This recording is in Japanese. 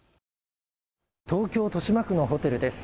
東京・豊島区のホテルです。